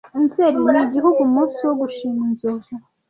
Nzeri ni Igihugu umunsi wo gushima Inzovu